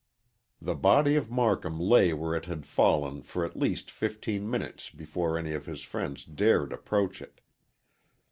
The body of Marcum lay where it had fallen for at least fifteen minutes before any of his friends dared approach it.